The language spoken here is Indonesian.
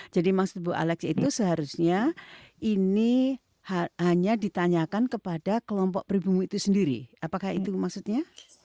jadi maksud bu alex itu seharusnya ini hanya ditanyakan kepada kelompok peribumu itu sendiri apakah itu maksudnya